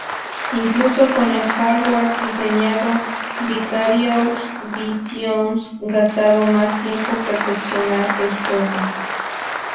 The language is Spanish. Incluso con el hardware diseñado, Vicarious Visions gastado más tiempo perfeccionar el juego.